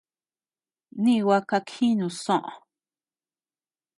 Ni gua kakjinus soʼö.